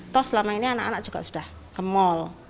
toh selama ini anak anak juga sudah ke mal